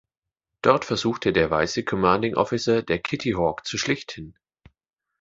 Dort versuchte der weiße Commanding Officer der "Kitty Hawk" zu schlichten.